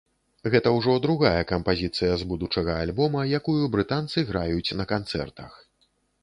Гэта ўжо другая кампазіцыя з будучага альбома, якую брытанцы граюць на канцэртах.